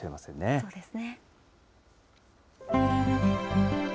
そうですね。